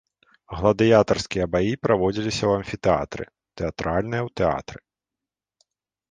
Гладыятарскія баі праводзіліся ў амфітэатры, тэатральныя ў тэатры.